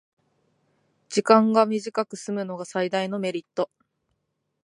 時間が短くすむのが最大のメリット